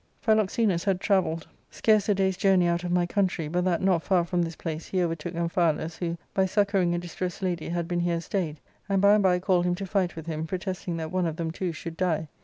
Philoxenus had travelled scarce a day's journey out of my country but that, not far from this place, he overtook Amphialus, who, by succouring a distressed lady, had been, here stayed; and by and by called him to fight with him, protesting that one of them two should die.